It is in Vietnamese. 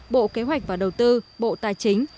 bộ kế hoạch và đầu tư bộ tài chính